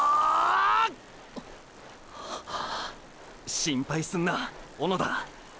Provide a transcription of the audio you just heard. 心配すんな小野田。